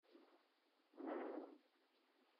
Fue sucedido en el cargo por Chris Christie.